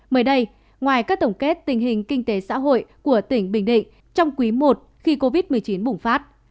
mới đây ngoài các tổng kết tình hình kinh tế xã hội của tỉnh bình định trong quý i khi covid một mươi chín bùng phát